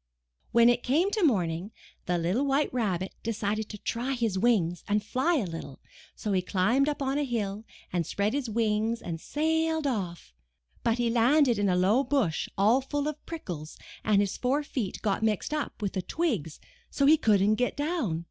iS5 MYBOOK HOUSE When it came morning, the little White Rabbit de cided to try his wings and fly a little, so he climbed up on a hill and spread his wings and sailed off, but he landed in a low bush all full of prickles, and his four feet got mixed up with the twigs so he couldn't get down.